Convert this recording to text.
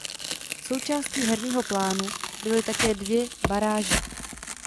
Součástí herního plánu byly také dvě baráže.